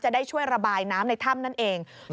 ได้ช่วยระบายน้ำในถ้ำนั่นเอง